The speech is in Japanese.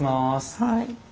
・はい。